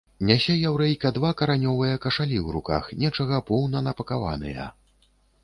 Нясе яўрэйка два каранёвыя кашалі ў руках, нечага поўна напакованыя.